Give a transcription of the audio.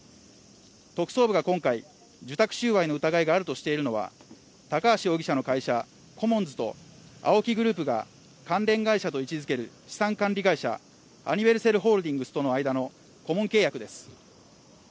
特捜部が今回、受託収賄の疑いがあるとしているのは高橋容疑者の会社、コモンズとＡＯＫＩグループが関連会社と位置づける資産管理会社アニヴェルセルホールディングスとの間の顧問契約です。